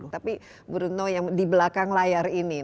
tapi bruno yang di belakang layar ini